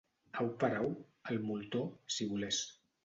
Au per au, el moltó, si volés.